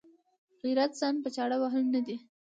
غیرت ځان په چاړه وهل نه دي.